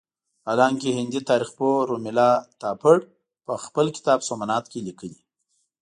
حالانکه هندي تاریخ پوه رومیلا تاپړ په خپل کتاب سومنات کې لیکلي.